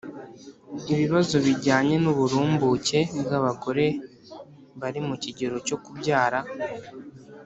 ibibazo bijyanye n'uburumbuke bw'abagore bari mu kigero cyo kubyara